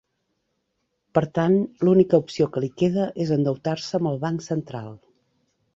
Per tant, l'única opció que li queda és endeutar-se amb el banc central.